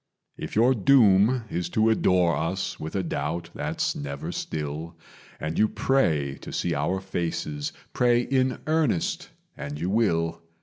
"If your doom is to adore us with a doubt that's never still, And you pray to see our faces pray in earnest, and you will.